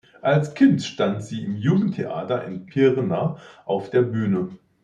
Als Kind stand sie im Jugendtheater in Pirna auf der Bühne.